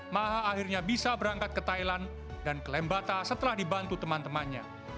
maha akhirnya bisa berangkat ke thailand dan ke lembata setelah dibantu teman temannya